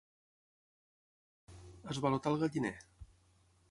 Esvalotar el galliner.